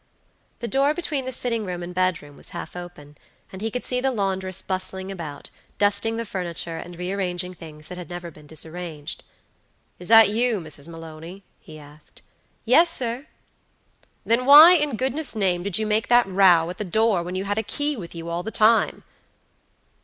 The door between the sitting room and bed room was half open, and he could see the laundress bustling about, dusting the furniture, and rearranging things that had never been disarranged. "Is that you, Mrs. Maloney?" he asked. "Yes, sir," "Then why, in goodness' name, did you make that row at the door, when you had a key with you all the time?"